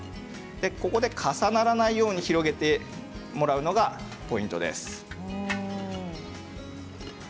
ここで重ならないように広げてもらうのがポイントです。